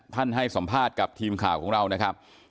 ให้สัมภาษณ์กับทีมข่าวของเรานะครับ